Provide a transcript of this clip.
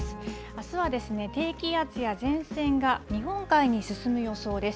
あすはですね、低気圧や前線が日本海に進む予想です。